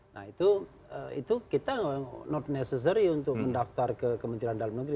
nah itu kita tidak perlu mendaftar ke kementerian dalam negeri